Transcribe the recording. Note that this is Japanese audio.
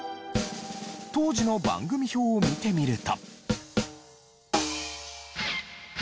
当時の番組表を見てみると。